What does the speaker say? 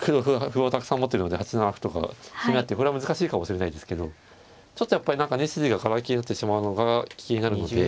歩をたくさん持ってるので８七歩とか攻め合ってこれは難しいかもしれないですけどちょっとやっぱり何か２筋ががら空きになってしまうのが気になるので。